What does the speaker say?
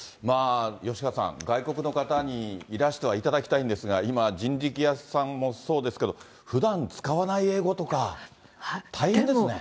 吉川さん、外国の方にいらしてはいただきたいんですが、今、人力屋さんもそうですけど、ふだん使わない英語とか、大変ですね。